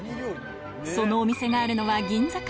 そのお店があるのは銀座か？